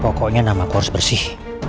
pokoknya nama ku harus bersih